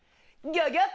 ギョギョっ！